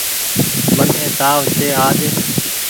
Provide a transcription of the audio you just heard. مني تآو ڇي آج۔